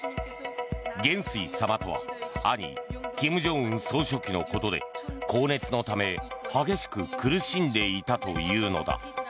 元帥様とは兄・金正恩総書記のことで高熱のため激しく苦しんでいたというのだ。